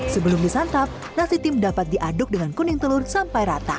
sebelum disantap nasi tim dapat diaduk dengan kuning telur sampai rata